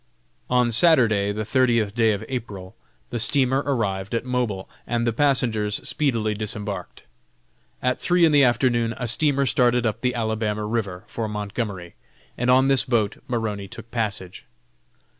On Saturday, the thirtieth day of April, the steamer arrived at Mobile, and the passengers speedily disembarked. At three in the afternoon a steamer started up the Alabama river, for Montgomery, and on this boat Maroney took passage.